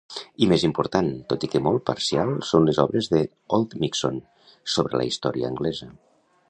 I més important, tot i que molt parcial, són les obres de Oldmixon sobre la història anglesa.